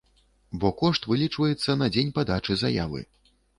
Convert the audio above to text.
Бо кошт вылічваецца на дзень падачы заявы.